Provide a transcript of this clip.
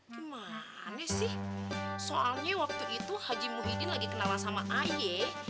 gimana sih soalnya waktu itu haji muhyiddin lagi kenalan sama ayah